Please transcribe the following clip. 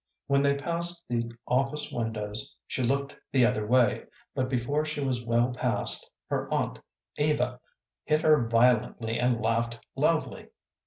When they passed the office windows she looked the other way, but before she was well past, her aunt Eva hit her violently and laughed loudly.